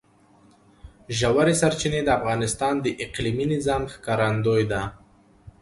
ژورې سرچینې د افغانستان د اقلیمي نظام ښکارندوی ده.